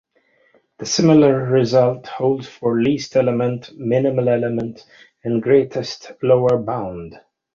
The similar result holds for least element, minimal element and greatest lower bound.